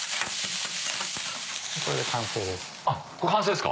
これで完成です。